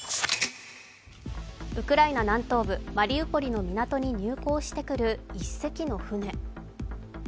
ウクライナ南東部マリウポリの港に入港してくる１隻の船。